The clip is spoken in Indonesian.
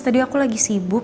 tadi aku lagi sibuk